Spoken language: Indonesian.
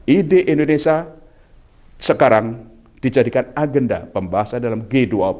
ide indonesia sekarang dijadikan agenda pembahasan dalam g dua puluh